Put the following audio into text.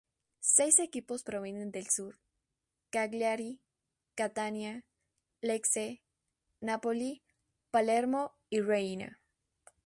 Seis equipos provienen del sur: Cagliari, Catania, Lecce, Napoli, Palermo y Reggina.